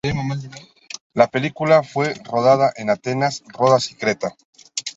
La película fue rodada en Atenas, Rodas y Creta.